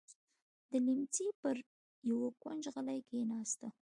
د ليمڅي پر يوه کونج غلې کېناسته.